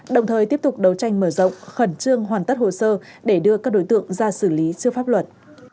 đồng thời tiếp tục đấu tranh mở rộng khẩn trương hoàn tất hồ sơ để đưa các đối tượng ra xử lý trước pháp luật